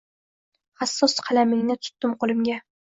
Hassos qalamingni tutdim qo’limga